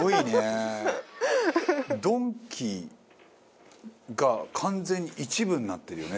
ドンキが完全に一部になってるよね